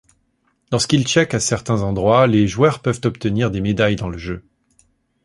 Lorsqu'ils checkent à certains endroits, les joueurs peuvent obtenir des médailles dans le jeu.